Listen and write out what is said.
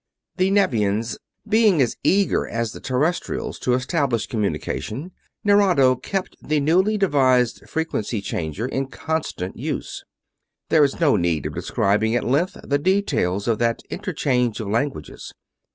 The Nevians being as eager as the Terrestrials to establish communication, Nerado kept the newly devised frequency changer in constant use. There is no need of describing at length the details of that interchange of languages.